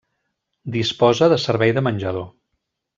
Disposa de servei de menjador.